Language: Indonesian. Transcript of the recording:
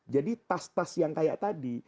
jadi tas tas yang kayak tadi